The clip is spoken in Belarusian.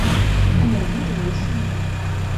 У мяне двое сыноў.